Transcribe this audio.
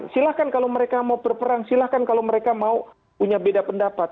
silahkan kalau mereka mau berperang silahkan kalau mereka mau punya beda pendapat